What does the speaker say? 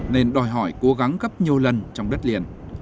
nên đòi hỏi cố gắng gấp nhiều lần trong đất liền